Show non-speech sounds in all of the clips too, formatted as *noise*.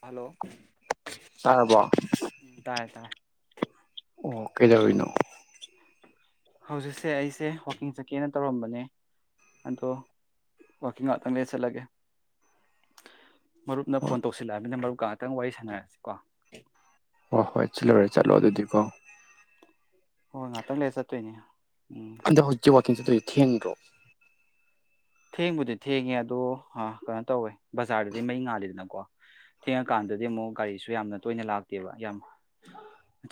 hello ꯇꯥꯔꯕꯣ ꯎꯝ ꯇꯥꯏꯌꯦꯦ ꯇꯥꯏꯦ ꯑꯣ ꯀꯩꯗꯅꯣ ꯍꯧꯖꯤꯛꯁꯦ ꯑꯩꯁꯦ ꯋꯥꯛꯀꯤꯡ ꯆꯠꯀꯦꯅ ꯇꯧꯔꯝꯕꯅꯦ ꯑꯗꯣ ꯋꯥꯋꯥꯛꯀꯤꯡ ꯑꯥꯎꯠꯇꯪꯗ ꯆꯠꯂꯒꯦ ꯃꯔꯨꯞꯅ ꯍꯣꯏ ꯐꯣꯟ ꯇꯧꯁꯤꯜꯂꯛꯑꯕꯅꯤꯅ ꯃꯔꯨꯞꯀ ꯉꯍꯥꯛꯇꯪ ꯋꯥꯔꯤ ꯁꯥꯟꯅꯔꯁꯤ ꯀꯣ ꯍꯣꯏ ꯍꯣꯏ ꯆꯤꯜꯂꯨꯔꯦ ꯆꯠꯂꯣ ꯑꯗꯨꯗꯤꯀꯣ ꯍꯣꯏ ꯉꯥꯏꯍꯥꯛꯇꯪ ꯂꯩ ꯆꯠꯇꯣꯏꯅꯦ ꯎꯝ ꯑꯗ ꯍꯧꯣꯏ ꯋꯥ ꯀꯦꯟꯗ꯭ꯔꯣ ꯊꯦꯡꯕꯨꯗꯤ ꯊꯦꯡꯉꯦ ꯑꯗꯣ ꯀꯩꯅꯣ ꯇꯧꯋꯦ ꯕꯖꯥꯔꯗꯗꯤ ꯃꯩ ꯉꯥꯜꯂꯤꯦꯗꯅꯀꯣ ꯊꯦꯡꯉꯀꯥꯟꯗꯗꯤ ꯑꯃꯨꯛ ꯒꯥꯔꯤꯁꯨ ꯌꯥꯝꯅ ꯇꯣꯏꯅ ꯂꯥꯛꯇꯦꯕ ꯌꯥꯝ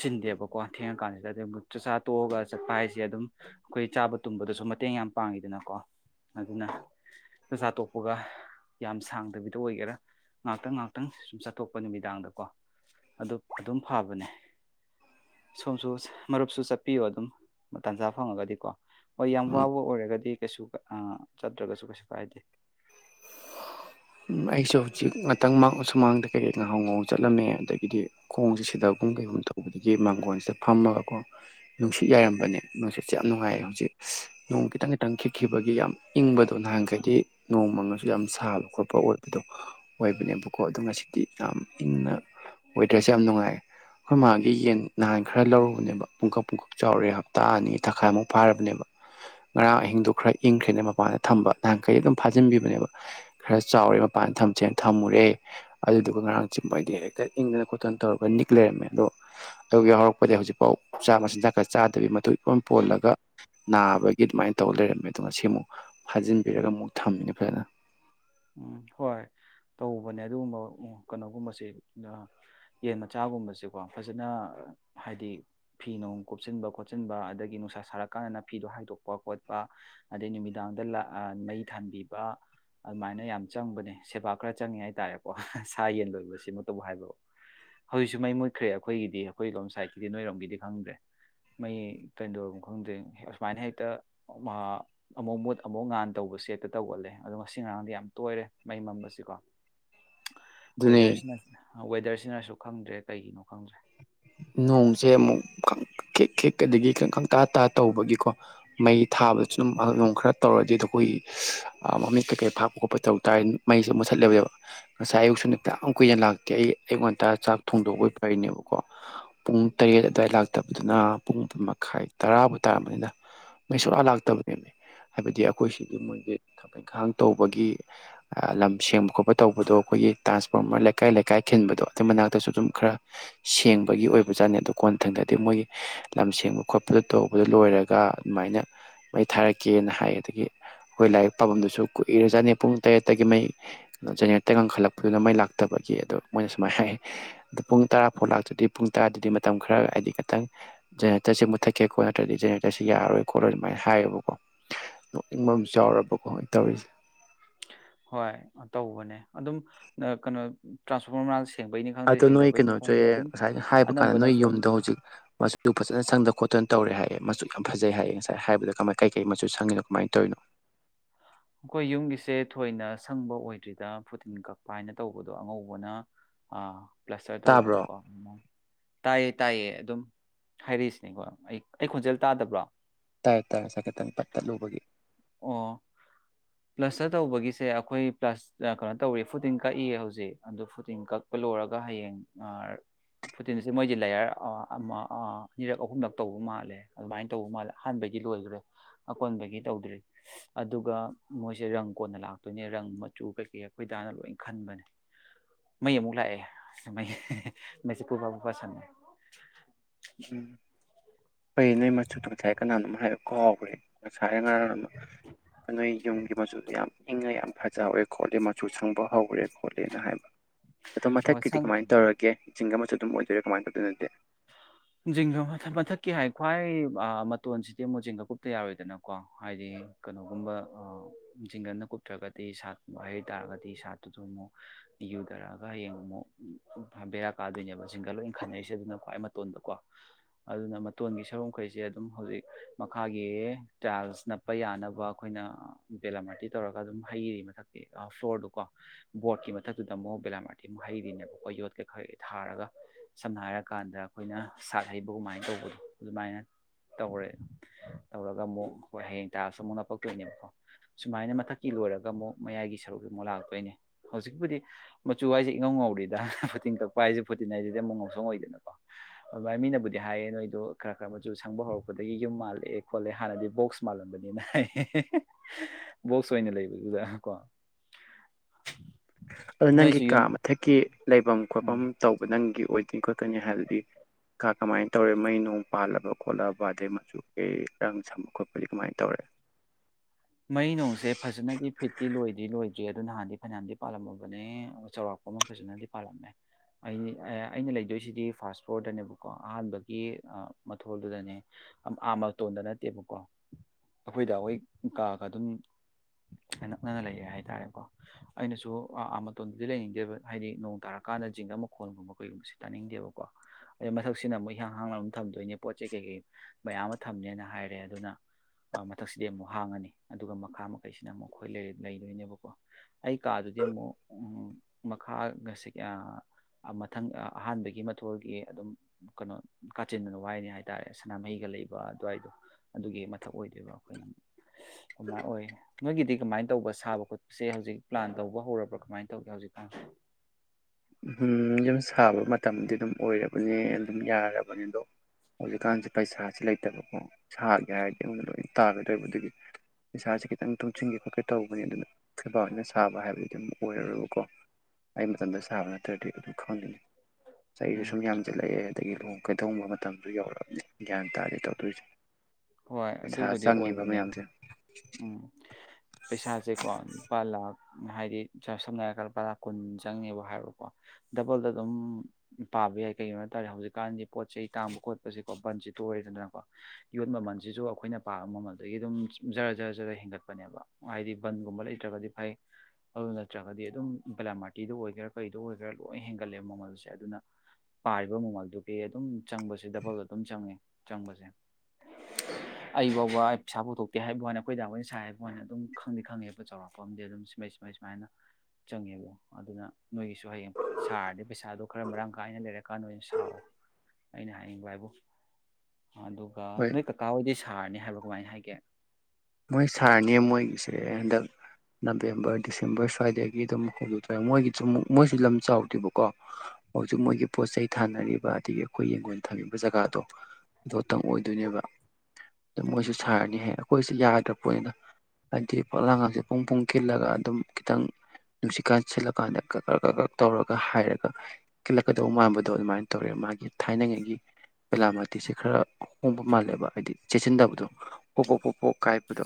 ꯆꯤꯟꯗꯦꯕꯀꯣ ꯊꯦꯡꯉꯀꯥꯟꯁꯤꯗ ꯑꯃꯨꯛ ꯆꯥꯆꯥꯥ ꯇꯣꯛꯑꯒ ꯆꯠꯄ ꯍꯥꯏꯁꯦ ꯑꯗꯨꯝ ꯑꯩꯈꯣꯏ ꯆꯥꯕ ꯇꯨꯝꯕꯗꯁꯨ ꯃꯇꯦꯡ ꯌꯥꯝ ꯄꯥꯡꯉꯤꯗꯅꯀꯣ ꯑꯗꯨꯅ ꯇꯖꯥ ꯇꯣꯛꯄꯒ ꯌꯥꯝ ꯁꯥꯡꯗꯕꯤꯗ ꯑꯣꯏꯒꯦꯔꯥ ꯉꯥꯛꯇꯪ ꯉꯥꯏꯍꯥꯛꯇꯪ ꯁꯨꯝ ꯆꯠꯇꯣꯛꯄ ꯅꯨꯃꯤꯗꯥꯡꯗꯀꯣ ꯑꯗꯨ ꯑꯗꯨꯝ ꯐꯕꯅꯦ ꯁꯣꯝꯁꯨ ꯃꯔꯨꯞꯁꯨ ꯆꯠꯄꯤꯌꯣ ꯑꯗꯨꯝ ꯇꯟꯖꯥ ꯐꯪꯉꯒꯗꯤꯀꯣ ꯍꯣꯏ ꯌꯥꯝ ꯋꯥꯕ ꯑꯣꯏꯔꯒꯗꯤ ꯀꯩꯁꯨ ꯆꯠꯇ꯭ꯔꯒꯁꯨ ꯀꯩꯁꯨ ꯀꯥꯏꯗꯦ ꯑꯩꯁꯨ ꯍꯧꯖꯤꯛ ꯉꯥꯛꯇꯪ ꯃꯥꯡ ꯁꯨꯃꯥꯡꯗ ꯀꯩꯀꯩ ꯉꯍꯥꯎ ꯉꯥꯍꯥꯎ ꯆꯠꯂꯝꯃꯦ ꯑꯗꯒꯤꯗꯤ ꯈꯣꯡꯁꯦ ꯁꯤꯗꯒꯨꯝ ꯀꯩꯒꯨꯝ ꯇꯧꯕꯗꯒꯤ ꯃꯥꯡꯒꯣꯟꯁꯤꯗ ꯐꯝꯃꯒꯀꯣ ꯅꯨꯡꯁꯤꯠ ꯌꯥꯏꯔꯝꯕꯅꯦ ꯅꯨꯡꯁꯤꯠꯁꯦ ꯌꯥꯝ ꯅꯨꯡꯉꯥꯏ ꯍꯧꯖꯤꯛ ꯅꯣꯡ ꯈꯤꯇꯪ ꯈꯤꯇꯪ ꯈꯤꯛꯈꯤꯕꯒꯤ ꯌꯥꯝ ꯏꯪꯕꯗꯣ ꯅꯍꯥꯟꯈꯩꯗꯤ ꯅꯣꯡꯃꯒꯁꯨ ꯌꯥꯝ ꯁꯥꯕ ꯈꯣꯠꯄ ꯑꯣꯏ ꯗꯣ ꯑꯣꯏꯕꯅꯦꯕꯀꯣ ꯑꯗꯨꯣ ꯉꯁꯤꯗꯤ ꯌꯥꯝ ꯏꯪꯅ ꯋꯦꯗꯔꯁꯦ ꯌꯥꯝ ꯅꯨꯡꯉꯥꯏ ꯍꯣꯏ ꯃꯥ ꯑꯩ ꯌꯦꯟ ꯅꯍꯥꯟ ꯈꯔ ꯂꯧꯔꯨꯕꯅꯦꯕ ꯄꯨꯡꯀꯛ ꯄꯨꯡꯀꯛ ꯆꯥꯎꯔꯦ ꯍꯞꯇꯥ ꯑꯅꯤ ꯊꯈꯥꯏꯃꯨꯛ ꯐꯥꯔꯕꯅꯦꯕ ꯉꯔꯥꯡ ꯑꯍꯤꯡꯗꯣ ꯈꯔ ꯏꯪꯈ꯭ꯔꯦꯅꯦ ꯃꯄꯥꯟꯗ ꯊꯝꯕ ꯅꯍꯥꯟ ꯀꯩ ꯑꯗꯨꯝ ꯐꯥꯖꯤꯟꯕꯤꯕꯅꯦꯕ ꯈꯔ ꯆꯥꯎꯔꯦ ꯃꯄꯥꯟ ꯊꯝꯁꯦꯅ ꯊꯝꯃꯨꯔꯦ ꯑꯗꯨꯗꯨꯒ ꯉꯔꯥꯡ ꯆꯨꯝꯕꯩꯗꯤ ꯍꯦꯛꯇ ꯏꯪꯗꯅ ꯈꯣꯠꯇꯅ ꯇꯧꯔꯒ ꯅꯤꯛ ꯂꯩꯔꯝꯃꯦ ꯑꯗꯣ ꯑꯗꯨꯒ ꯌꯥꯎꯔꯛꯄꯗ ꯍꯧꯖꯤꯛꯐꯥꯎ ꯆꯥꯛ ꯃꯆꯤꯟꯖꯥꯛꯀ ꯆꯥꯗꯕꯤꯒꯤ ꯃ ꯃꯝ ꯄꯣꯜꯂꯒ ꯅꯥꯕꯒꯤ ꯑꯗꯨꯃꯥꯏꯅ ꯇꯧꯔ ꯂꯩꯔꯝꯃꯦ ꯑꯗꯨ ꯉ ꯁꯤ ꯑꯃꯨꯛ ꯐꯥꯖꯤꯟꯕꯤꯔꯒ ꯑꯃꯨꯛ ꯊꯝꯃꯤꯅꯦ ꯐꯖꯅ ꯎꯝ ꯍꯣꯏ ꯇꯧꯕꯅꯦ ꯑꯗꯨꯒꯨꯝꯕ ꯀꯩꯅꯣꯒꯨꯝꯕꯁꯦ ꯌꯦꯟ ꯃꯆꯥꯒꯨꯝꯕꯕꯁꯤꯦꯀꯣ ꯐꯖꯅ ꯍꯥꯏꯗꯤ ꯐꯤ ꯅꯣꯡ ꯀꯨꯞꯁꯤꯟꯕ ꯈꯣꯠꯆꯤꯟꯕ ꯑꯗꯒꯤ ꯅꯨꯡꯁꯥ ꯁꯥꯔꯛꯀꯥꯟꯗꯅ ꯐꯤꯗꯣ ꯍꯥꯏꯗꯣꯛꯄ ꯈꯣꯠꯄ ꯑꯗꯩ ꯅꯨꯃꯤꯗꯥꯡꯗ ꯃꯩ ꯊꯥꯟꯕꯤꯕ ꯑꯗꯨꯃꯥꯏꯅ ꯌꯥꯝ ꯆꯪꯕꯅꯦ ꯁꯦꯕꯥ ꯈꯔ ꯆꯪꯉꯦ ꯍꯥꯏꯇꯥꯔꯦꯀꯣ ꯁꯥ ꯌꯦꯟ ꯂꯣꯏꯕ ꯁꯤꯃꯛꯇꯕꯨ ꯍꯥꯏꯕ ꯍꯧꯖꯤꯛꯁꯨ ꯃꯩ ꯃꯨꯠꯈ꯭ꯔꯦ ꯑꯩꯈꯣꯏꯒꯤꯗꯤ ꯑꯩꯈꯣꯏ ꯂꯣꯝ ꯁꯥꯏꯠꯠꯇꯗꯤ ꯅꯣꯏꯔꯣꯝꯒꯤꯗꯤ ꯈꯪꯗ꯭ꯔꯦ ꯃꯩ ꯀꯩꯗꯧꯔꯣꯝ ꯈꯪꯗ꯭ꯔꯦ ꯑꯁꯨꯃꯥꯏꯅ ꯍꯦꯛꯇ ꯑꯃꯨꯛ ꯃꯨꯠ ꯑꯃꯨꯛ ꯉꯟ ꯇꯧꯕꯁꯦ ꯍꯦꯛꯇ ꯇꯧꯒꯠꯂꯦ ꯑꯗꯣ ꯉꯁꯤ ꯉꯔꯥꯡꯗꯤ ꯌꯥꯝ ꯇꯣꯏꯔꯦ ꯃꯩ ꯃꯝꯕꯁꯤꯀꯣ ꯑꯗꯨꯅꯦ ꯋꯦꯗꯔꯁꯤꯅ ꯋꯦꯗꯔꯁꯤ ꯁꯤꯅꯁꯨ ꯈꯪꯗ꯭ꯔꯦ ꯀꯩꯒꯤꯅꯣ ꯈꯪꯗ꯭ꯔꯦ ꯅꯣꯡꯁꯦ ꯑꯃꯨꯛ ꯦꯛ ꯦꯦꯛ ꯑꯗꯒꯤ ꯀꯪꯇꯥ ꯇꯥ ꯇꯧꯕꯒꯤꯀꯣ ꯃꯩ ꯊꯥꯕꯗꯁꯨ ꯑꯗꯨꯝ ꯈꯔ ꯇꯧꯔꯗꯤ ꯑꯗꯣ ꯑꯩꯈꯣꯏꯒꯤ ꯃꯃꯤꯡ ꯀꯩꯀꯩ ꯐꯥꯛꯄ ꯈꯣꯠꯄ ꯇꯧ ꯇꯥꯔꯦ ꯃꯩꯁꯦ ꯃꯨꯠꯁꯤꯠꯂꯦꯕꯦꯕ ꯉꯁꯥꯏ ꯑꯌꯨꯛꯁꯨ ꯀ ꯌꯥꯝ ꯀꯨꯏꯅ ꯂꯥꯛꯇꯦ ꯑꯩꯉꯣꯟꯗ ꯍ ꯆꯥꯛ ꯊꯣꯡꯗꯣꯛꯄ ꯐꯔꯤꯅꯦꯕ ꯄꯨꯡ ꯇꯔꯦꯠ ꯑꯗꯨꯋꯥꯏ ꯂꯥꯛꯇꯕꯗꯨꯅ ꯄꯨꯡ ꯃꯈꯥꯏ ꯇꯔꯥꯕꯨꯥꯎ ꯇꯥꯔꯕꯅꯤꯅ ꯃꯩꯁꯨꯨꯔꯥ ꯂꯥꯛꯇꯕꯅꯦꯃꯤ ꯍꯥꯏꯕꯗꯤ ꯑꯩꯈꯣꯏꯁꯤꯒꯤ ꯃꯣꯏꯒꯤ ꯊꯕꯛ ꯏꯪꯈꯥꯡ ꯇꯧꯕꯒꯤ ꯂꯝ ꯁꯦꯝꯕ ꯈꯣꯠꯄ ꯇꯧꯕꯗꯣ ꯑꯩꯈꯣꯏꯒꯤ ꯇ꯭ꯔꯥꯟꯁꯐꯣꯔꯃꯔ ꯂꯩꯀꯥꯏ ꯂꯩꯀꯥꯏ ꯈꯤꯟꯕꯗꯣ ꯑꯗꯨꯏ ꯃꯅꯥꯛꯇꯁꯨ ꯑꯗꯨꯝ ꯈꯔ ꯁꯦꯡꯕꯒꯤ ꯑꯣꯏꯕꯖꯥꯠꯅꯤ ꯑꯗꯣ ꯀꯣꯟꯊꯪꯗꯗꯤ ꯃꯣꯏꯒꯤ ꯂꯝ ꯁꯦꯡꯕ ꯈꯣꯠꯄꯗ ꯇꯧꯕꯗ ꯂꯣꯏꯔꯒ ꯑꯗꯨꯃꯥꯏꯅ ꯃꯩ ꯊꯥꯔꯛꯀꯦꯅ ꯍꯥꯏ ꯑꯗꯒꯤ ꯑꯩꯈꯣꯏ ꯂꯥꯏꯔꯤꯛ ꯄꯥꯐꯝꯗꯨꯁꯨ ꯀꯨꯏꯔꯖꯥꯠꯅꯤ ꯄꯨꯡ ꯇꯔꯦꯠꯇꯒꯤ ꯃꯩ ꯖꯅꯦꯔꯦꯠꯇ ꯉꯪꯈꯠꯂꯛꯄꯗꯨꯅ ꯃꯩ ꯂꯥꯛꯇꯕꯒꯤ ꯑꯗꯣ ꯃꯣꯏꯅ ꯁꯨꯃꯥꯏꯅ ꯍꯥꯏ ꯑꯗꯣ ꯄꯨꯡ ꯇꯔꯥ ꯂꯥꯛꯇꯗꯤ ꯄꯨꯡ ꯇꯔꯥꯗꯗꯤ ꯃꯇꯝ ꯈꯔ ꯍꯥꯏꯗꯤ ꯈꯤꯇꯪ ꯖꯦꯅꯦꯔꯦꯇꯔꯁꯦ ꯃꯨꯠꯊꯠꯀꯦꯀꯣ ꯅꯠꯇ꯭ꯔꯗꯤ ꯖꯦꯔꯦꯇꯔꯁꯦ ꯌꯥꯔꯣꯏ ꯈꯣꯠꯂꯣꯏ ꯑꯗꯨꯃꯥꯏꯅ ꯍꯥꯏꯌꯦꯕꯀꯣꯪꯕꯝ ꯆꯥꯎꯔꯕꯀꯣ ꯇꯧꯔꯤꯁꯦ ꯍꯣꯏ ꯇꯧꯕꯅꯦ ꯑꯗꯨꯝ ꯀꯩꯅꯣ ꯇ꯭ꯔꯥꯟꯁꯐꯣꯔꯃ ꯑꯗꯣ ꯅꯣꯏ ꯀꯩꯅꯣꯁꯨꯦ ꯉꯁꯥꯏ ꯍꯥꯏꯕ ꯀꯥꯟꯗ ꯅꯣꯏ ꯑꯅꯝꯕꯅꯁꯨ ꯌꯨꯝꯗꯣ ꯍꯧꯖꯤꯛ ꯃꯆꯨꯗꯨ ꯐꯖꯅ ꯁꯪꯗ ꯈꯣꯠ ꯑꯗꯨꯇꯅ ꯇꯧꯔꯦ ꯍꯥꯏꯌꯦ ꯃꯆꯨ ꯌꯥꯝ ꯐꯖꯩ ꯍꯥꯏꯑꯌꯦ ꯉꯁꯥꯏ ꯍꯥꯏꯕꯗ ꯀꯃꯥꯏ ꯀꯩꯀꯩ ꯃꯆꯨ ꯁꯪꯉꯤꯅꯣ ꯀꯃꯥꯏꯅ ꯇꯧꯔꯤꯅꯣ ꯑꯩꯈꯣꯏ ꯌꯨꯝꯒꯤꯁꯦ ꯊꯣꯏꯅ ꯁꯪꯕ ꯑꯣꯏꯗ꯭ꯔꯤꯗ ꯐꯨꯇꯤꯟ ꯀꯛꯄ ꯍꯥꯏꯅ ꯇꯧꯕꯗꯣ ꯑꯉꯧꯕꯅ ꯑ ꯄ꯭ꯂꯁꯇꯔ ꯇꯥꯕ꯭ꯔꯣ ꯇꯧꯕꯗꯣꯀꯣ ꯇꯥꯏꯌꯦ ꯇꯥꯏꯌꯦ ꯑꯗꯨꯝ ꯍꯥꯏꯔꯛꯏꯁꯤꯅꯦꯀꯣ ꯑꯩ ꯑꯩ ꯈꯣꯟꯖꯦꯜ ꯇꯥꯗꯕ꯭ꯔꯣ ꯇꯥꯔꯦꯠ ꯇꯔꯦ ꯍꯥꯏꯀꯦꯠꯇꯪ ꯄꯠ ꯇꯠꯂꯨꯕꯒꯤ ꯑꯣ ꯄ꯭ꯂꯁꯇꯔ ꯇꯧꯕꯒꯤꯁꯦ ꯑꯩꯈꯣꯏ ꯄ꯭ꯂꯁ ꯀꯩꯅꯣ ꯇꯧꯔꯤ ꯐꯨꯇꯤꯟ ꯀꯛꯏꯌꯦ ꯍꯧꯖꯤꯛ ꯑꯗꯨ ꯐꯨꯇꯤꯟ ꯀꯛꯄ ꯂꯣꯏꯔꯒ ꯍꯌꯦꯡ ꯐꯨꯇꯤꯟꯁꯦ ꯃꯣꯏꯗꯤ ꯂꯌꯔ ꯑꯃ ꯑꯅꯤꯔꯛ ꯑꯍꯨꯝꯂꯛ ꯇꯧꯕ ꯃꯥꯜꯂꯦ ꯑꯗꯨꯃꯥꯏꯅ ꯇꯧꯕ ꯃꯥꯜꯂꯦ ꯑꯍꯥꯟꯕꯒꯤ ꯂꯣꯏꯈ꯭ꯔꯦ ꯑꯀꯣꯟꯕꯒꯤ ꯇꯧꯗ꯭ꯔꯤ ꯑꯗꯨꯒ ꯃꯣꯏꯁꯦ ꯔꯪ ꯀꯣꯟꯅ ꯂꯥꯛꯇꯣꯏꯅꯦ ꯔꯪ ꯃꯆꯨ ꯀꯩꯀꯩ ꯑꯩꯈꯣꯏꯗꯅ ꯂꯣꯏ ꯈꯟꯕꯅꯦ ꯃꯩ ꯑꯃꯨꯛ ꯂꯥꯛꯑꯦ ꯃꯩ ꯃꯩꯁꯦ ꯄꯨꯐꯥ ꯄꯨꯐꯥ ꯁꯪꯉꯦ ꯎꯝ ꯐꯩ ꯅꯣꯏ ꯃꯆꯨ ꯇꯨꯁꯥꯏ ꯀꯅꯥꯅꯣꯝ ꯍꯥꯏꯕ ꯀꯥꯎꯈ꯭ꯔꯦ ꯉꯁꯥꯏꯔ ꯉꯔ ꯀ ꯅꯣꯏ ꯌꯨꯝꯒꯤ ꯃꯆꯨꯗꯣ ꯌꯥꯝ ꯏꯪꯉ ꯌꯥꯝ ꯐꯖꯍꯋꯦ ꯀꯣꯂ ꯃꯆꯁꯨ ꯁꯪ ꯍꯧꯔꯦ ꯈꯣꯠꯂꯦꯅ ꯍꯥꯏꯕ ꯑꯗꯣ ꯑꯣ ꯃꯊꯛꯀꯤꯗꯤ ꯁꯪꯗ꯭ꯔꯤ ꯀꯃꯥꯏꯅ ꯇꯧꯔꯒꯦ ꯆꯤꯡꯒ ꯑꯃꯁꯨ ꯑꯗꯨꯝ ꯑꯣꯏꯗꯣꯏꯔꯥ ꯀꯃꯥꯏꯅ ꯇꯧꯗꯣꯏ ꯅꯣꯏꯗꯤ ꯖꯤꯡꯒ ꯃꯊꯛꯀꯤ ꯍꯥꯏ ꯈ꯭ꯋꯥꯏ ꯃꯇꯣꯟꯁꯤꯗꯤ ꯑꯃꯨꯛ ꯖꯤꯡꯒ ꯀꯨꯞꯇ ꯌꯥꯔꯣꯏꯗꯅꯀꯣ ꯍꯥꯏꯗꯤ ꯀꯩꯅꯣꯒꯨꯝꯕ ꯖꯤꯡꯒꯜꯅ ꯀꯨꯞꯇ꯭ꯔꯒꯗꯤ ꯁꯥꯠꯀꯨꯝꯕ ꯍꯩ ꯇꯥꯔꯒꯗꯤ ꯁꯥꯠꯇꯨꯗ ꯑꯃꯨꯛ ꯌꯨꯊꯔꯛꯑꯒ ꯍꯌꯦꯡ ꯑꯃꯨꯛ ꯕꯦꯔꯥ ꯀꯥꯗꯣꯏꯅꯦꯕ ꯖꯤꯡꯒ ꯂꯣꯏꯅ ꯈꯟꯅꯔꯤꯁꯦ ꯑꯗꯨꯅ ꯈ꯭ꯋꯥꯏ ꯃꯇꯣꯟꯗꯀꯣ ꯑꯗꯨꯅ ꯃꯇꯣꯟꯒꯤ ꯁꯔꯨꯝꯈꯩꯁꯦ ꯑꯗꯨꯝ ꯍꯧꯖꯤꯛ ꯃꯈꯥꯒꯤ ꯇꯥꯏꯜꯁ ꯅꯞꯄ ꯌꯥꯅꯕ ꯑꯩꯈꯣꯏꯅ ꯕꯦꯂꯥꯃꯥꯔꯇꯤ ꯇꯧꯔꯒ ꯑꯗꯨꯝ ꯍꯩꯔꯤ ꯃꯊꯛꯀꯤ ꯐ꯭ꯂꯣꯔꯗꯨꯀꯣ ꯕꯣꯔꯠꯀꯤ ꯃꯊꯛꯇꯨꯗ ꯑꯃꯨꯛ ꯕꯦꯂꯥꯃꯥꯔꯇꯤ ꯑꯃꯨꯛ ꯍꯩꯔꯤꯅꯦꯕꯀꯣ ꯌꯣꯠꯀꯩ ꯈꯔꯩ ꯊꯥꯔꯒ ꯁꯝꯅ ꯍꯥꯏꯔꯀꯥꯟꯗ ꯑꯩꯈꯣꯏꯅ ꯁꯥꯠ ꯍꯩꯕ ꯀꯃꯥꯏꯅ ꯇꯧꯕꯗꯣ ꯑꯗꯨꯃꯥꯏꯅ ꯇꯧꯔꯦ ꯇꯧꯔꯒ ꯑꯃꯨꯛ ꯑꯩꯈꯣꯏ ꯍꯌꯦꯡ ꯇꯥꯏꯜꯁꯁꯨ ꯑꯃꯨꯛ ꯅꯛꯄꯛꯇꯣꯏꯅꯦꯕꯀꯣ ꯁꯨꯃꯥꯏꯅ ꯃꯊꯛꯀꯤ ꯂꯣꯏꯔꯒ ꯑꯃꯨꯛ ꯃꯌꯥꯏꯒꯤ ꯁꯔꯨꯛ ꯑꯃꯨꯛ ꯂꯥꯛꯇꯣꯏꯅꯦ ꯍꯧꯖꯤꯛꯄꯨꯗꯤ ꯃꯆꯨ ꯍꯥꯏꯁꯦ ꯏꯪꯉꯧ ꯉꯧꯔꯤꯗ ꯐꯨꯇꯤꯟ ꯀꯛꯄ ꯍꯥꯏꯁꯦ ꯐꯨꯇꯤꯟ ꯍꯥꯏꯁꯤꯗ ꯑꯃꯨꯛ ꯉꯧꯁꯨ ꯉꯧꯏꯗꯅꯀꯣ ꯑꯗꯨ ꯃꯤꯅꯕꯨꯗꯤ ꯍꯥꯏꯌꯦ ꯅꯣꯏꯗꯣ ꯈꯔ ꯈꯔ ꯃꯆꯨ ꯁꯪꯕ ꯍꯧꯔꯛꯄꯗꯒꯤ ꯌꯨꯝ ꯃꯥꯜꯂꯛꯑꯦ ꯈꯣꯠꯂꯦ ꯍꯥꯟꯅꯗꯤ ꯕꯣꯛꯁ ꯃꯥꯜꯂꯝꯟꯕꯅꯤꯅ ꯍꯥꯏ ꯕꯣꯛꯁ ꯑꯣꯏꯅ ꯂꯩꯕꯗꯨꯗ ꯀꯣ ꯑ ꯅꯪꯒꯤ ꯅꯣꯏꯁꯨ ꯀꯥ ꯌꯨꯝ ꯃꯊꯛꯀꯤ ꯂꯩꯐꯝ ꯈꯣꯠꯐꯝ ꯎꯝ ꯇꯧꯕ ꯅꯪꯒꯤ *unintelligible* ꯀꯃꯥꯏꯅ ꯇꯧꯔꯦ ꯃꯩ ꯅꯣꯡ ꯄꯥꯜꯂꯕ ꯈꯣꯠꯂꯛꯑꯕ ꯑꯗꯩ ꯃꯆꯨ ꯑꯦ ꯔꯪ ꯁꯪ ꯕ ꯈꯣꯠꯄꯗꯤ ꯀꯃꯥꯏꯅ ꯇꯧꯔꯦ ꯃꯩ ꯅꯨꯡꯁꯦ ꯐꯖꯅꯗꯤ ꯐꯤꯠꯇꯤ ꯂꯣꯏꯗ꯭ꯔꯤ ꯂꯣꯏꯗ꯭ꯔꯤ ꯑꯗꯨ ꯅꯍꯥꯟꯗꯤ ꯐꯅꯌꯥꯝꯗꯤ ꯄꯥꯜꯂꯝꯃꯕꯅꯦ ꯆꯥꯎꯔꯥꯛꯄ ꯑꯃ ꯐꯖꯅꯗꯤ ꯄꯥꯜꯂꯝꯃꯦ ꯑꯩ ꯑꯩꯅ ꯂꯩꯗꯣꯏꯁꯤꯗꯤ ꯐꯥꯔꯁ ꯐ꯭ꯂꯣꯔꯗꯅꯦꯕꯀꯣ ꯑꯍꯥꯟꯕꯒꯤ ꯃꯊꯣꯜꯗꯨꯗꯅꯦ ꯑꯥ ꯃꯇꯇꯣꯟꯗ ꯅꯠꯇꯦꯕꯀꯣ ꯑꯩꯈꯣꯏꯗ ꯍꯣꯏ ꯀꯛꯑꯒ ꯑꯗꯨꯝ ꯅꯛꯅꯅ ꯂꯩꯔꯦ ꯍꯥꯏꯇꯥꯔꯦꯀꯣ ꯑꯩꯅꯁꯨꯥ ꯃꯇꯣꯟꯗꯨꯗꯤ ꯂꯩꯅꯤꯡꯗꯦꯕ ꯍꯥꯏꯗꯤ ꯅꯣꯡ ꯇꯥꯔꯀꯥꯟꯗ ꯖꯤꯡ ꯑꯃ ꯃꯈꯣꯟꯜꯒꯨꯝꯕ ꯀꯩꯒꯨꯝꯕꯕꯁꯤ ꯇꯥꯅꯤꯡꯗꯦꯕꯀꯣ ꯑꯗꯩ ꯃꯊꯛꯁꯤꯅ ꯑꯃꯨꯛ ꯏꯍꯥꯡ ꯍꯥꯡꯅ ꯑꯗꯨꯝ ꯊꯝꯗꯣꯏꯅꯦ ꯄꯣꯠ ꯆꯩ ꯀꯩꯀꯩ ꯃꯌꯥꯝ ꯑꯃ ꯊꯝꯅꯦꯅ ꯍꯥꯏꯔꯦ ꯑꯗꯨꯅ ꯃꯊꯛꯁꯤꯗꯤ ꯑꯃꯨꯛ ꯍꯥꯡꯉꯅꯤ ꯑꯗꯨꯒ ꯃꯈꯥ ꯃꯈꯩꯁꯤꯅ ꯑꯃꯨꯛ ꯑꯩꯈꯣꯏ ꯂꯩꯗꯣꯏꯅꯦꯕꯀꯣ ꯑꯩ ꯀꯥꯗꯨꯗꯤ ꯑꯃꯨꯛ ꯃꯈꯥ ꯉꯁꯤ ꯃꯊꯪ ꯑꯍꯥꯟꯕꯒꯤ ꯃꯊꯣꯜꯒꯤ ꯑꯗꯨꯝ ꯀꯩꯅꯣ ꯀꯥꯆꯤꯟꯗꯅ ꯋꯥꯏꯅꯤ ꯍꯥꯏꯇꯥꯔꯦ ꯁꯅꯥꯃꯍꯤꯒ ꯂꯩꯕ ꯑꯗꯨꯋꯥꯏꯗꯣ ꯑꯗꯨꯒꯤ ꯃꯊꯛ ꯑꯣꯏꯗꯣꯏꯕ ꯑꯩꯈꯣꯏꯅ ꯀꯃꯥꯏ ꯑꯣꯏ ꯅꯣꯏꯒꯤꯗꯤ ꯀꯃꯥꯏꯅ ꯇꯧꯕ ꯁꯥꯕ ꯈꯣꯠꯄꯁꯦ ꯍꯧꯖꯤꯛ ꯄ꯭ꯂꯥꯟ ꯇꯧꯕ ꯍꯧꯔꯕ꯭ꯔꯥ ꯀꯃꯥꯏꯅ ꯇꯧꯒꯦ ꯍꯧꯖꯤꯛꯀꯥꯟ ꯎꯝ ꯌꯨꯝ ꯁꯥꯕ ꯃꯇꯝꯗꯤ ꯑꯗꯨꯝ ꯑꯣꯏꯔꯕꯅꯦ ꯑꯗꯨꯝ ꯌꯥꯔꯕꯅꯤ ꯑꯗꯣ ꯍꯧꯖꯤꯛꯀꯥꯟꯁꯤ ꯄꯩꯁꯥꯁꯤ ꯂꯩꯇ ꯇꯕꯀ‌ꯣ ꯁꯥꯒꯦ ꯍꯥꯏꯔꯗꯤ ꯑꯃꯨ ꯇꯥꯒꯗꯣꯏꯕ ꯑꯗꯨꯒꯤ ꯏꯁꯥꯁꯦ ꯈꯤꯇꯪ ꯇꯨꯡꯁꯤꯟꯒꯦ ꯈꯣꯠꯀꯦ ꯇꯧꯕꯅꯤ ꯑꯗꯨꯅ ꯈꯣꯏ ꯕꯥ ꯑꯣꯏꯅ ꯁꯥꯕ ꯍꯥꯏꯕꯗꯨꯝ ꯑꯣꯏꯔꯔꯣꯏꯕꯀꯣ ꯑꯩ ꯃꯇꯝꯗ ꯇꯥꯕ ꯅꯠꯇ꯭ꯔꯗꯤ ꯑꯗꯨ ꯈꯪꯗꯦ ꯆꯍꯤꯁꯨ ꯁꯨꯝ ꯎꯝ ꯌꯥꯝꯗꯤꯂꯛꯑꯦ ꯑꯗꯒꯤ ꯂꯨꯍꯣꯡ ꯀꯩꯗꯣꯡꯕ ꯃꯇꯝ ꯑꯗꯨ ꯌꯧꯔꯑꯅꯤ ꯒ꯭ꯌꯥꯟ ꯇꯥꯔꯦ ꯇꯧꯗꯣꯏꯁꯦ ꯍꯣꯏ ꯄꯩꯁꯥ ꯑꯗꯨꯕꯨꯗꯤ ꯆꯪꯉꯤꯕ ꯑꯣꯏꯕꯅꯦ ꯃꯌꯥꯝꯁꯦ ꯎꯝ ꯄꯩꯁꯥꯁꯦꯀꯣ ꯂꯨꯄꯥ ꯂꯥꯛꯈ ꯍꯥꯏꯗꯤ ꯁꯝꯅ ꯍꯥꯏꯔꯀꯗ ꯂꯄꯥ ꯂ ꯀꯨꯟ ꯆꯪꯉꯦꯕ ꯍꯥꯏꯕꯀꯣ ꯗꯕꯜꯗ ꯑꯗꯨꯝ ꯄꯥꯕ ꯌꯥꯏ ꯀꯩꯒꯤꯅꯣ ꯍꯥꯏ ꯇꯔꯦ ꯍꯧꯖꯤꯛꯀꯥꯟꯗꯤ ꯄꯣꯠ ꯆꯩ ꯇꯥꯡꯕ ꯈꯣꯠꯄꯁꯤꯀꯣ ꯕꯟꯁꯤ ꯇꯣꯏꯔꯦꯗꯗꯅꯀꯣ ꯌꯣꯠ ꯃꯃꯜꯁꯤꯁꯨ ꯑꯩꯈꯣꯏꯅ ꯄꯥꯕ ꯃꯃꯜꯗꯨꯗꯒꯤ ꯑꯗꯨꯝ ꯖꯔ ꯖꯔ ꯖꯔ ꯍꯦꯟꯒꯠꯄꯅꯦꯕ ꯍꯥꯏꯗꯤ ꯕꯟꯒꯨꯝꯕ ꯂꯩꯇ꯭ꯔꯒꯗꯤ ꯐꯩ ꯑꯗꯨ ꯅꯠꯇ꯭ꯔꯒꯗꯤ ꯑꯗꯨꯝ ꯕꯦꯂꯥꯃꯥꯔꯇꯤꯗ ꯑꯣꯏꯒꯦꯔꯥ ꯀꯩꯗ ꯑꯣꯏꯒꯦꯔꯥ ꯂꯣꯏ ꯍꯦꯟꯒꯠꯂꯦꯕ ꯃꯃꯜꯁꯦ ꯑꯗꯨꯅ ꯄꯥꯔꯤꯕ ꯃꯃꯜꯗꯨꯒꯤ ꯑꯗꯨꯝ ꯆꯪꯕꯁꯦ ꯗꯕꯜꯗ ꯑꯗꯨꯝ ꯆꯪꯉꯦ ꯆꯪꯕꯁꯦ ꯑꯩ ꯐꯥꯎꯕ ꯑꯩ ꯄꯩꯁꯥ ꯄꯨꯊꯣꯛꯇꯦ ꯍꯥꯏꯕ ꯍꯥꯏꯅ ꯑꯩꯈꯣꯏ ꯗꯥ ꯍꯅ ꯁꯥꯏ ꯍꯥꯏꯕꯨ ꯍꯥꯏꯅ ꯑꯗꯨꯝ ꯈꯪꯗꯤ ꯈꯪꯉꯦꯕ ꯆꯥꯎꯔꯥꯛꯄ ꯑ ꯑꯃꯗꯤ ꯑꯗꯨꯝ ꯁꯨꯃꯥꯏ ꯁꯨꯃꯥꯏ ꯁꯨꯃꯥꯏꯅ ꯆꯪꯉꯦꯕꯨ ꯑꯗꯨꯅ ꯅꯣꯏꯒꯤꯁꯨ ꯍꯌꯦꯡ ꯁꯥꯔꯗꯤ ꯄꯩꯁꯥꯗꯣ ꯈꯔ ꯃꯔꯥꯡ ꯀꯥꯏꯅ ꯂꯩꯔꯀꯥꯟꯗ ꯑꯣꯏꯅ ꯁꯥꯑꯣ ꯑꯩꯅ ꯍꯥꯏꯅꯤꯡꯕ ꯍꯥꯏꯕꯨ ꯀ ꯍꯣꯏ ꯅꯣꯏ ꯀꯀꯥ ꯍꯣꯏꯗꯤ ꯁꯥꯔꯅꯤ ꯍꯜꯂꯣ ꯀꯃꯥꯏꯅ ꯍꯥꯏꯒꯦ ꯃꯣꯏ ꯁꯥꯔꯅꯤ ꯃꯣꯏꯒꯤꯁꯦ ꯍꯟꯗꯛ ꯅꯕꯦꯝꯕꯔ ꯗꯤꯁꯦꯝꯕꯔ ꯁ꯭ꯋꯥꯏꯗꯒꯤ ꯑꯗꯨꯝ ꯍꯧꯗꯣꯛꯇꯔꯦ ꯃꯣꯏꯒꯤꯁꯨꯛ ꯃꯣꯏꯁꯨ ꯂꯝ ꯆꯥꯎꯗ꯭ꯦꯕꯀꯣ ꯍꯧꯣꯏꯁꯨꯛ ꯃꯣꯏꯒꯤ ꯄꯣꯠ ꯆꯩꯩ ꯊꯥꯅꯔꯤꯕ ꯑꯗꯒꯤ ꯑꯩꯈꯣꯏ ꯌꯦꯡꯒꯣꯟ ꯊꯝꯃꯤꯕ ꯖꯒꯥꯗꯣ ꯑꯗꯨꯇꯪ ꯑꯣꯏꯗꯣꯏꯅꯦꯕ ꯑ ꯃꯣꯏꯁꯨ ꯁꯥꯔꯅꯤ ꯍꯥꯏ ꯑꯩꯈꯣꯏ ꯌꯥꯗ꯭ꯔꯕ ꯄꯣꯠꯅꯤꯅ ꯍꯥꯏꯗꯤ ꯄꯥꯛꯂꯥꯡꯒꯁꯦ ꯄꯨꯡ ꯄꯨꯡ ꯈꯤꯜꯂꯒ ꯑꯗꯨꯝ ꯈꯤꯇꯪ ꯅꯨꯡꯁꯤꯠꯀꯥꯟ ꯁꯤꯜꯂꯀꯥꯟꯗ ꯀꯛ ꯀ꯭ꯔꯛ ꯀꯛ ꯀ꯭ꯔꯛ ꯇꯧꯔꯒ ꯍꯥꯏꯔꯒ ꯈꯤꯜꯂꯛꯀꯗꯧꯕ ꯃꯥꯟꯕꯗꯣ ꯑꯗꯨꯃꯥꯏꯅ ꯇꯧꯔꯦ ꯃꯥꯒꯤ ꯊꯥꯏꯅꯉꯩꯒꯤ ꯄꯦꯂꯥꯃꯥꯇꯤꯁꯦ ꯈꯔ ꯍꯣꯡꯕ ꯃꯥꯜꯂꯦꯕ ꯍꯥꯏꯗꯤ ꯆꯦꯁꯤꯟꯗꯕꯗꯣ ꯄꯣꯄꯣꯛ ꯄꯣꯞꯄꯣꯛ ꯑꯀꯥꯏꯕꯗꯣ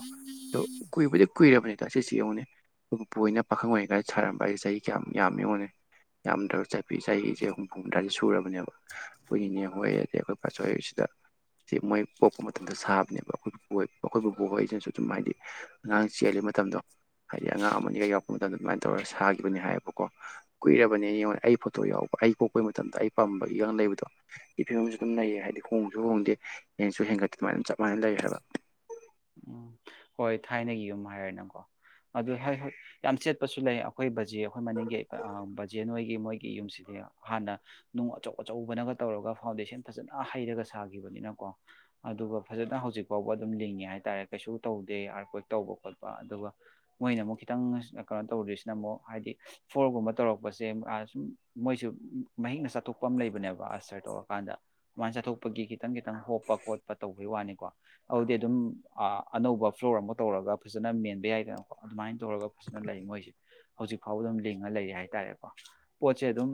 ꯑꯗꯣ ꯀꯨꯏꯕꯨꯗꯤ ꯀꯨꯏꯔꯕꯅꯤꯗ ꯁꯤꯁꯤ ꯌꯦꯡꯉꯨꯅꯦ ꯑꯩꯈꯣꯏ ꯄꯨꯄꯣꯏꯅ ꯄꯥꯈꯪ ꯑꯣꯏꯔꯤ ꯀꯥꯏꯗ ꯁꯥꯔꯝꯕ ꯍꯥꯏꯁꯦ ꯆꯍꯤ ꯀꯌꯥꯝ ꯌꯥꯝ ꯌꯦꯡꯉꯨꯅꯤ ꯌꯥꯝꯗ꯭ꯔꯕ ꯆ ꯆꯍꯤꯁꯦ ꯍꯨꯝꯐꯨ ꯃꯗ꯭ꯔꯏꯗ ꯁꯨꯔꯕꯅꯦꯕ ꯀꯨꯏꯅꯦ ꯍꯣꯏ ꯑꯩ ꯑꯩꯈꯣꯏ ꯄꯥꯆꯣꯏꯁꯤꯗ ꯁꯤ ꯃꯣꯏ ꯄꯣꯛꯄ ꯃꯇꯝꯗ ꯁꯥꯕꯅꯦꯕ ꯑꯩꯈꯣꯏ ꯄꯨꯄꯣꯏ ꯄꯣꯛ ꯑꯩꯈꯣꯏꯕꯨꯕꯨꯣꯛ ꯍꯣꯏ ꯑꯩꯅꯁꯨ ꯑꯗꯨꯝ ꯍꯥꯏꯗꯤ ꯑꯉꯥꯡ ꯆꯦꯜꯂꯤ ꯃꯇꯝꯗꯣ ꯍꯥꯏꯗꯤ ꯑꯉꯥꯡ ꯑꯃꯅꯤꯒ ꯌꯥꯎꯔꯛꯄ ꯃꯇꯝꯗ ꯑꯗꯨꯃꯥꯏꯅ ꯇꯧꯔꯒ ꯁꯥꯒꯤꯈꯤꯕꯅꯤ ꯍꯥꯏꯕꯀꯣ ꯀꯨꯏꯔꯕꯅꯤ ꯑꯩꯉꯣꯟꯗ ꯑꯩ ꯐꯣꯇꯣ ꯌꯥꯎꯕ ꯑꯩ ꯀꯣꯛꯄꯩ ꯃꯇꯝꯗ ꯑꯩ ꯄꯥꯝꯕꯒꯤꯒ ꯂꯩꯕꯗꯣ ꯑꯩ ꯐꯤꯕꯝꯁꯨ ꯑꯗꯨꯝ ꯂꯩꯌꯦ ꯍꯥꯏꯗꯤ ꯍꯣꯡꯁꯨ ꯍꯣꯡꯗꯦ ꯍꯡꯁꯨ ꯍꯦꯟꯒꯠꯇꯦ ꯑꯗꯨꯃꯥꯏꯅ ꯑꯗꯨꯝ ꯆꯞ ꯃꯥꯟꯅꯅ ꯂꯩ ꯍꯥꯏꯕ ꯎꯝ ꯍꯣꯏ ꯊꯥꯏꯅꯒꯤ ꯌꯨꯝ ꯍꯥꯏꯔꯦꯅꯀꯣ ꯑꯗꯨ ꯍꯣꯏ ꯍꯣꯏ ꯌꯥꯝ ꯆꯦꯠꯄꯁꯨ ꯂꯩ ꯑꯩꯈꯣꯏ ꯕꯖꯦ ꯑꯩꯈꯣꯏ ꯃꯅꯤꯡꯒꯤ ꯕꯖꯦ ꯍꯣꯏꯒꯤ ꯃꯣꯏꯒꯤ ꯌꯨꯝꯁꯤꯗꯤ ꯍꯥꯟꯅ ꯅꯨꯡ ꯑꯆꯧ ꯑꯆꯧꯕꯅꯒ ꯇꯧꯔꯒ ꯐꯥꯎꯟꯗꯦꯁꯟ ꯐꯖꯅ ꯍꯩꯔꯒ ꯁꯥꯈꯤꯕꯅꯤꯅꯀꯣ ꯑꯗꯨꯒ ꯐꯖꯅ ꯍꯧꯖꯤꯛ ꯐꯥꯎꯕ ꯑꯗꯨꯝ ꯂꯤꯡꯉꯦ ꯍꯥꯏꯇꯥꯔꯦ ꯀꯩꯁꯨ ꯇꯧꯗꯦ ꯑꯥꯔ ꯀꯣꯏ ꯇꯧꯕ ꯈꯣꯠꯄ ꯑꯗꯨꯒ ꯃꯣꯏꯅ ꯑꯃꯨꯛ ꯈꯤꯇꯪ ꯀꯩꯅꯣ ꯇꯧꯗ꯭ꯔꯤꯁꯤꯅ ꯑꯃꯨꯛ ꯍꯥꯏꯗꯤ ꯐꯣꯔꯒꯨꯝꯕ ꯇꯧꯔꯛꯄꯁꯦ ꯁꯨꯝ ꯃꯣꯏꯁꯨ ꯃꯍꯤꯛꯅ ꯆꯠꯊꯣꯛꯄ ꯑꯃ ꯂꯩꯕꯅꯦꯕ ꯑꯁꯇꯔ ꯇꯧꯔꯀꯥꯟꯗ ꯁꯨꯃꯥꯏꯅ ꯆꯠꯊꯣꯛꯄꯒꯤ ꯈꯤꯇꯪ ꯈꯤꯇꯪ ꯍꯣꯞꯄ ꯈꯣꯠꯄ ꯇꯧꯕꯒꯤ ꯋꯥꯅꯤꯀꯣ ꯑꯗꯨꯗꯤ ꯑꯗꯨꯝ ꯑꯅꯧꯕ ꯐ꯭ꯂꯣꯔ ꯑꯃ ꯇꯧꯔꯒ ꯐꯖꯅ ꯃꯦꯟꯕ ꯌꯥꯏꯗꯅꯀꯣ ꯑꯗꯨꯃꯥꯏꯅ ꯇꯧꯔꯒ ꯐꯖꯅ ꯂꯩ ꯃꯣꯏꯁꯦ ꯍꯧꯖꯤꯛ ꯐꯥꯎꯕ ꯑꯗꯨꯝ ꯂꯤꯡꯉ ꯂꯩꯔꯤ ꯍꯥꯏꯇꯥꯔꯦꯀꯣ ꯄꯣꯠꯁꯦ ꯑꯗꯨꯝ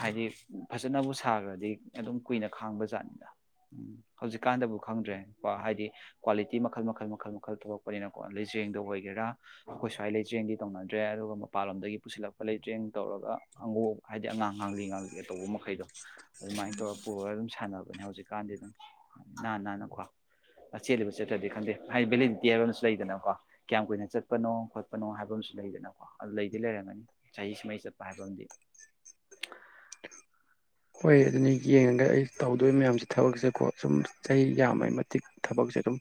ꯍꯥꯏꯗꯤ ꯐꯖꯅꯕꯨ ꯁꯥꯈ꯭ꯔꯗꯤ ꯑꯗꯨꯝ ꯀꯨꯏꯅ ꯈꯥꯡꯕ ꯖꯥꯠꯅꯤꯅ ꯎꯝ ꯍꯧꯖꯤꯛꯀꯥꯟꯗꯕꯨ ꯈꯪꯗ꯭ꯔꯦꯀꯣ ꯍꯥꯏꯗꯤ ꯀ꯭ꯋꯥꯂꯤꯇꯤ ꯃꯈꯜ ꯃꯈꯜ ꯃꯈꯜ ꯃꯈꯜ ꯃꯈꯜ ꯊꯣꯛꯂꯛꯄꯅꯤꯅꯀꯣ ꯂꯩꯖꯦꯡꯗꯣ ꯑꯣꯏꯒꯦꯔꯥ ꯑꯩꯈꯣꯏ ꯁ꯭ꯋꯥꯏ ꯂꯩꯖꯦꯡꯗꯤ ꯇꯧꯅꯗ꯭ꯔꯦ ꯑꯗꯨꯒ ꯃꯄꯥꯟꯂꯣꯝꯗꯒꯤ ꯄꯨꯁꯤꯜꯂꯛꯄ ꯂꯩꯖꯦꯡ ꯇꯧꯔꯒ ꯑꯪꯉꯣ ꯍꯥꯏꯗꯤ ꯑꯉꯥꯡ ꯉꯥꯡꯂꯤ ꯉꯥꯡꯂꯤꯒ ꯇꯧꯕ ꯃꯈꯩꯗꯣ ꯑꯗꯨꯃꯥꯏꯅ ꯇꯧꯔꯒ ꯄꯨꯔꯒ ꯑꯗꯨꯝ ꯁꯥꯟꯅꯕ ꯅꯤ ꯍꯧꯖꯤꯛꯀꯥꯟꯗꯤ ꯑꯗꯨꯝ ꯏꯅꯥ ꯅꯥꯟꯅꯀꯣ ꯆꯦꯜꯂꯤꯕ ꯆꯦꯠꯠꯇꯗꯤ ꯈꯪꯗꯦ ꯍꯥꯏ ꯕꯦꯂꯦꯗꯤꯇꯤ ꯍꯥꯏꯕ ꯑꯃꯁꯁꯨ ꯂꯩꯗꯅꯀꯣ ꯀꯌꯥꯝ ꯀꯨꯏꯅ ꯆꯠꯄꯅꯣ ꯈ ꯀꯩꯅꯣ ꯍꯥꯏꯕ ꯑꯃꯁꯨ ꯂꯩꯗꯅꯀꯣ ꯑꯗꯨ ꯂꯩꯗꯤ ꯂꯩꯔꯝꯒꯅꯤ ꯆꯍꯤ ꯁꯨꯃꯩ ꯆꯠꯄ ꯍꯥꯏꯕ ꯑꯝ ꯍꯣꯏ ꯑꯗꯨꯅꯤ ꯌꯦꯡꯉꯒ ꯑꯩ ꯇꯧꯗꯣꯏ ꯃꯌꯥꯝꯁꯦ ꯊꯕꯛꯁꯦꯀꯣ ꯁꯨꯝ ꯆꯍꯤ ꯌꯥꯝꯃꯩ ꯃꯇꯤꯛ ꯊꯕꯛꯁꯦ ꯑꯗꯨꯝ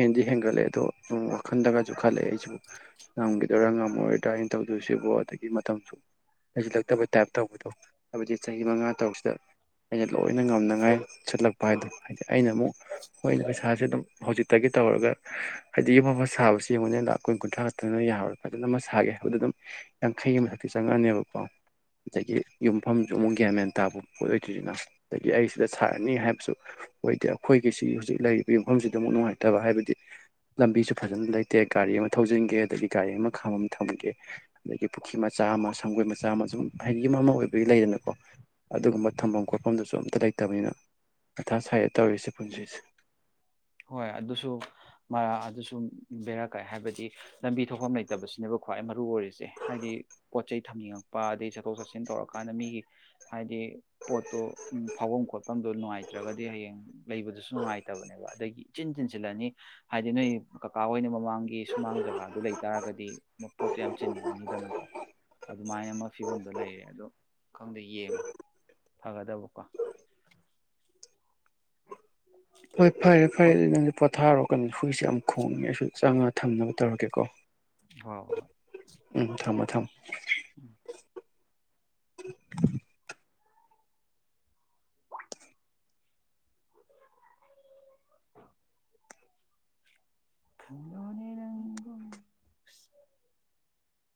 ꯍꯦꯟꯗꯤ ꯍꯦꯟꯒꯠꯂꯑꯦ ꯑꯗꯣ ꯑꯗꯨꯝ ꯋꯥꯈꯜꯗꯒꯁꯨ ꯈꯜꯂꯛꯑꯦ ꯑꯩꯁꯤꯕꯨ ꯉꯝꯈꯤꯗꯣꯏꯔꯥ ꯉꯝꯃꯔꯣꯏꯗ꯭ꯔꯥ ꯑꯩꯅ ꯇꯧꯗꯣꯏꯁꯤꯕ ꯑꯗꯒꯤ ꯃꯇꯝꯁꯨ ꯑꯩꯁꯤꯂꯛꯇꯕ ꯇꯥꯏꯞ ꯇꯧꯕꯗꯣ ꯍꯥꯏꯕꯗꯤ ꯆꯍꯤ ꯃꯉꯥ ꯇꯧꯕꯁꯤꯗ ꯑꯩꯅ ꯂꯣꯏꯅ ꯉꯝꯅꯉꯥꯏ ꯁꯤꯠꯂꯛꯄ ꯍꯥꯏꯗꯣ ꯍꯥꯏꯗꯤ ꯑꯩꯅ ꯑꯃꯨꯛ ꯍꯣꯏ ꯄꯩꯁꯥꯁꯦ ꯑꯗꯨꯝ ꯍꯧꯖꯤꯛꯇꯒꯤ ꯇꯧꯔꯒ ꯍꯥꯏꯗꯤ ꯌꯨꯝ ꯃꯐꯝ ꯁꯥꯕꯕꯁꯤ ꯌꯦꯡꯉꯅꯤꯅ ꯂꯥꯛ ꯑꯩꯈꯣꯏ ꯀꯨꯟꯊ꯭ꯔꯥ ꯈꯛꯇꯪꯅ ꯌꯥꯔ ꯐꯖꯅ ꯑꯃ ꯁꯥꯒꯦ ꯍꯥꯏꯕꯗ ꯑꯗꯨꯝ ꯌꯥꯡꯈꯩ ꯑꯃ ꯃꯊꯛꯇ ꯆꯪꯉꯛꯑꯅꯦꯕꯀꯣ ꯑꯗꯒꯤ ꯌꯨꯝꯐꯝꯁꯨ ꯑꯃꯨꯛ ꯃꯦꯟ ꯇꯥꯕ ꯄꯣꯠ ꯑꯣꯏꯗꯣꯏꯔꯤꯁꯤꯅ ꯑꯗꯒꯤ ꯑꯩ ꯁꯤꯗ ꯁꯥꯔꯅꯤ ꯍꯥꯏꯕꯁꯨ ꯑꯣꯏꯗꯦ ꯑꯩꯈꯣꯏꯒꯤꯁꯤ ꯍꯧꯖꯤꯛ ꯂꯩꯔꯤꯕ ꯌꯨꯝꯐꯝꯁꯤꯗ ꯑꯃꯨꯛ ꯅꯨꯡꯉꯥꯏꯇꯕ ꯍꯥꯏꯕꯗꯤ ꯂꯝꯕꯤꯁꯨ ꯐꯖꯅ ꯂꯩꯇꯦ ꯒꯥꯔꯤ ꯑꯃ ꯊꯧꯖꯤꯟꯒꯦ ꯑꯗꯒꯤ ꯒꯥꯔꯤ ꯑꯃ ꯈꯥꯝꯃꯝ ꯊꯝꯒꯦ ꯑꯗꯒꯤ ꯄꯨꯈ꯭ꯔꯤ ꯃꯆꯥ ꯑꯃ ꯁꯪꯒꯣꯏ ꯃꯆꯥ ꯑꯃ ꯁꯨꯝ ꯍꯥꯏꯗꯤ ꯌꯨꯝ ꯑꯃ ꯑꯣꯏꯕꯒꯤ ꯂꯩꯗꯅꯀꯣ ꯑꯗꯨꯒꯨꯝꯕ ꯊꯝꯐꯝ ꯈꯣꯠꯐꯝꯗꯨꯁꯨ ꯑꯝꯇ ꯂꯩꯇꯕꯅꯤꯅ ꯃꯊꯥ ꯁ꯭ꯋꯥꯏꯗ ꯇꯧꯔꯤꯁꯦ ꯄꯨꯟꯁꯤꯁꯦ ꯍꯣꯏ ꯑꯗꯨꯁꯨ ꯑꯗꯨꯁꯨ ꯕꯦꯔꯥ ꯀꯥꯏ ꯍꯥꯏꯕꯗꯤ ꯂꯝꯕꯤ ꯊ ꯊꯣꯛꯐꯝ ꯂꯩꯇꯕꯁꯤꯅꯦꯕ ꯈ꯭ꯋꯥꯏ ꯃꯔꯨ ꯑꯣꯏꯔꯤꯁꯦ ꯍꯥꯏꯗꯤ ꯄꯣꯠ ꯆꯩꯩ ꯊꯝꯅꯤꯡꯉꯛꯄ ꯑꯗꯩ ꯆꯠꯊꯣꯛ ꯆꯠꯁꯤꯟ ꯇꯧꯔꯀꯥꯟꯗ ꯃꯤꯒꯤ ꯍꯥꯏꯗꯤ ꯄꯣꯠꯇꯣ ꯐꯥꯎꯐꯝ ꯈꯣꯠꯐꯝꯗꯣ ꯅꯨꯡꯉꯥꯏꯇ꯭ꯔꯒꯗꯤ ꯍꯌꯦꯡ ꯂꯩꯕꯗꯨꯁꯨ ꯅꯨꯡꯉꯥꯏꯇꯕꯅꯦꯕ ꯑꯗꯒꯤ ꯏꯆꯤꯟ ꯆꯤꯟꯁꯤꯜꯂꯅꯤ ꯍꯥꯏꯗꯤ ꯅꯣꯏ ꯀꯀꯥ ꯍꯣꯏꯅ ꯃꯃꯥꯡꯒꯤ ꯁꯨꯃꯥꯡ ꯖꯒꯥꯗꯨ ꯂꯩꯇꯥꯥꯔꯒꯗꯤ ꯄꯣꯠꯇꯣ ꯌꯥꯝ ꯆꯤꯟꯔꯅꯤꯗꯅꯀꯣ ꯑꯗꯨꯃꯥꯏꯅ ꯑꯃ ꯐꯤꯕꯝꯗꯣ ꯂꯩꯔꯦ ꯑꯗ ꯈꯪꯗꯦ ꯌꯦꯡꯉꯣ ꯐꯒꯗꯕꯀꯣ ꯎ ꯍꯣꯏ ꯐꯔꯦ ꯐꯔꯦ ꯑꯗꯨ ꯅꯪꯗꯤ ꯄꯣꯊꯥꯔꯛꯑꯣ ꯑꯩꯈꯣꯏꯏꯁꯦ ꯌꯥꯝ ꯈꯣꯡꯉꯦ ꯑꯩꯁꯨ ꯆꯪꯉꯒ ꯊꯝꯅꯕ ꯇꯧꯔꯒꯦꯀꯣ ꯍꯣꯏ ꯍꯣꯏ ꯎꯝ ꯊꯝꯃ ꯃꯊꯝ ꯎꯝ *unintelligible* ꯈꯪꯅꯅ ꯅꯪꯣ